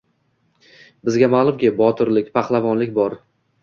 Bizga ma’lumki, botirlik, pahlavonlik bor.